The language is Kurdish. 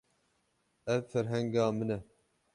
Ev ferhenga min e.